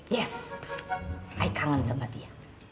yes saya kangen sama dia